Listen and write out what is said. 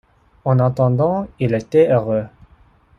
En attendant, il était heureux.